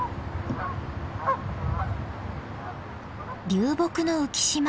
流木の浮き島。